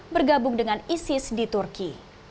bergabung dengan isis di turki